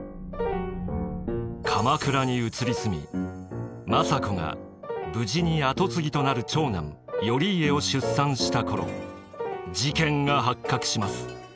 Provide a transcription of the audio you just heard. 鎌倉に移り住み政子が無事に跡継ぎとなる長男頼家を出産した頃事件が発覚します。